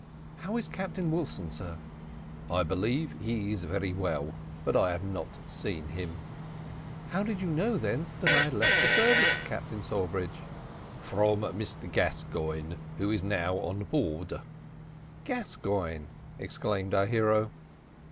"How is Captain Wilson, sir?" "I believe he is very well, but I have not seen him." "How did you know, then, that I had left the service, Captain Sawbridge?" "From Mr Gascoigne, who is now on board." "Gascoigne!" exclaimed our hero.